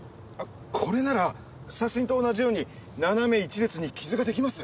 これなら写真と同じように斜め一列に傷が出来ます。